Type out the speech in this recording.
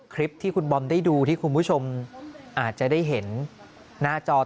คลิปที่คุณบอมได้ดูที่คุณผู้ชมอาจจะได้เห็นหน้าจอ